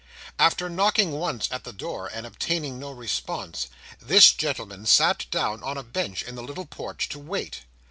After knocking once at the door, and obtaining no response, this gentleman sat down on a bench in the little porch to wait.